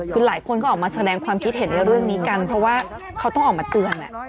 คือหลายคนก็ออกมาแสดงความคิดเห็นในเรื่องนี้กันเพราะว่าเขาต้องออกมาเตือน